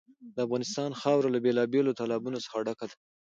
د افغانستان خاوره له بېلابېلو تالابونو څخه ډکه ده.